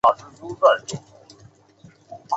其父赠为朝列大夫加中奉大夫衔。